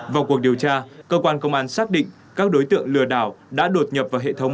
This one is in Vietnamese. vào cuộc điều tra cơ quan công an xác định các đối tượng lừa đảo đã đột nhập vào hệ thống